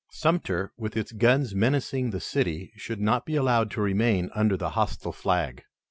Sumter with its guns menacing the city should not be allowed to remain under the hostile flag.